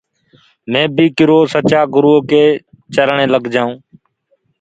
مي بي ڪِرو سچآ گُروٚئو ڪي چرني لگ جآئوٚنٚ۔